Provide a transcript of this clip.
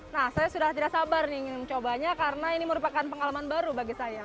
nah saya sudah tidak sabar nih ingin mencobanya karena ini merupakan pengalaman baru bagi saya